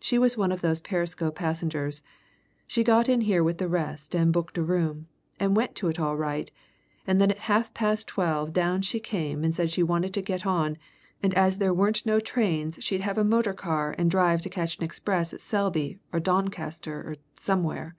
She was one of those Perisco passengers she got in here with the rest, and booked a room, and went to it all right, and then at half past twelve down she came and said she wanted to get on, and as there weren't no trains she'd have a motor car and drive to catch an express at Selby, or Doncaster, or somewhere.